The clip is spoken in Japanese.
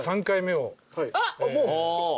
もう？